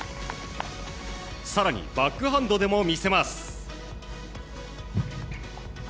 更にバックハンドでも見せます。